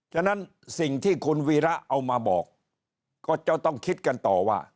ฉะนั้นสิ่งที่คุณวีระเอามาบอกก็จะต้องคิดกันต่อว่า